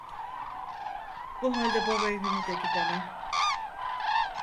Bu halde baba evine de gidemem.